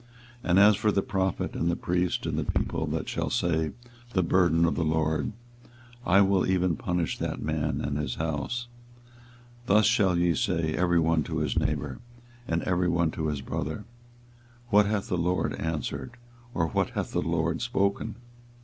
24:023:034 And as for the prophet, and the priest, and the people, that shall say, The burden of the LORD, I will even punish that man and his house. 24:023:035 Thus shall ye say every one to his neighbour, and every one to his brother, What hath the LORD answered? and, What hath the LORD spoken?